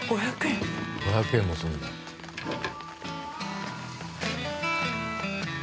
５００円もするんや。